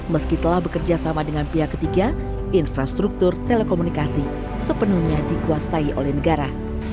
meski telah bekerja sama dengan pihak ketiga infrastruktur telekomunikasi sepenuhnya dikuasai oleh negara